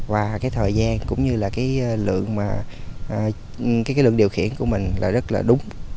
và thời gian cũng như lượng điều khiển của mình rất đúng